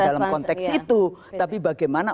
dalam konteks itu tapi bagaimana